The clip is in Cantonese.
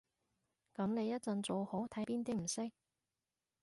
噉你一陣做好，睇下邊啲唔識